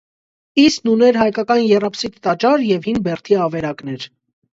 Իսն ուներ հայկական եռաբսիդ տաճար և հին բերդի ավերակներ։